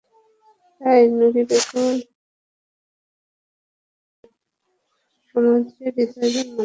তাই নুরী বেগম স্বামীকে বাঁচাতে সমাজের হৃদয়বান মানুষের কাছে সাহায্যের আবেদন জানিয়েছেন।